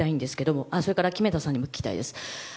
それから木目田さんにも聞きたいです。